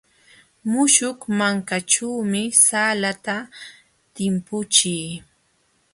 Muśhuq mankaćhuumi salata timpuchii.